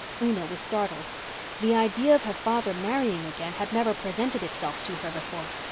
Una was startled. The idea of her father marrying again had never presented itself to her before.